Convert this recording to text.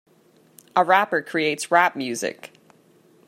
A rapper creates rap music.